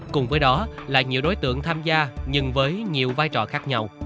cùng với đó là nhiều đối tượng tham gia nhưng với nhiều vai trò khác nhau